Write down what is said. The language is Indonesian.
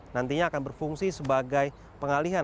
nantinya akan berfungsi sebagai pengalihan